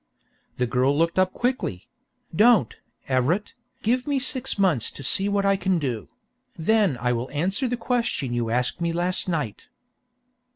The girl looked up quickly "Don't, Everett, give me six months to see what I can do then I will answer the question you asked me last night."